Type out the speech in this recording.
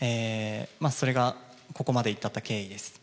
それがここまで至った経緯です。